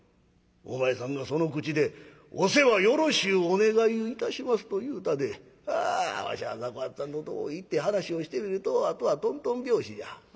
お前さんがその口で『お世話よろしゅうお願いをいたします』と言うたでわしゃ雑穀八さんのとこ行って話をしてみるとあとはとんとん拍子じゃ。